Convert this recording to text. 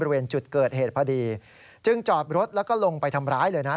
บริเวณจุดเกิดเหตุพอดีจึงจอดรถแล้วก็ลงไปทำร้ายเลยนะ